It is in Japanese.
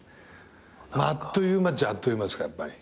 あっという間っちゃあっという間ですかやっぱり。